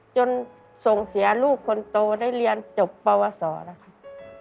จนส่งเสียลูกคนโตได้เรียนจบปวสอแล้วค่ะ